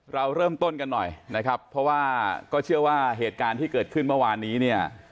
เราเริ่มต้นกันหน่อยนะครับเพราะว่าก็เชื่อว่าเหตุการณ์ที่เกิดขึ้นเมื่อวานนี้เนี่ย